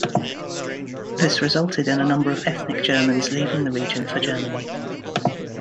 This resulted in a number of ethnic Germans leaving the region for Germany.